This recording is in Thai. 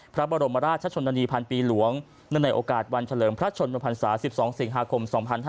พระบรมราชชนนานีพันปีหลวงเนื่องในโอกาสวันเฉลิมพระชนมพันศา๑๒สิงหาคม๒๕๕๙